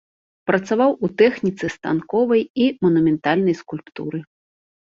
Працаваў у тэхніцы станковай і манументальнай скульптуры.